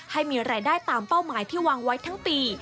ให้มีรายได้ตามเป้าหมายที่วางไว้ทั้งปี